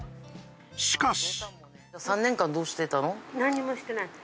しかし。